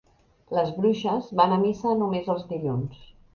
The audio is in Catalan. Les bruixes van a missa només els dilluns.